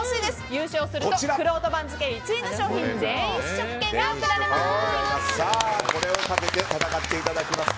優勝するとくろうと番付１位の商品全員試食券が贈られます。